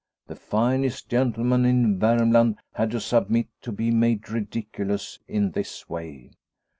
The finest gentleman in Varmland had to sub mit to be made ridiculous in this way.